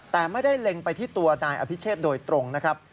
แต่ไม่ได้เล็งไปที่ตัวนายอภิเชษโดยตรงนะครับ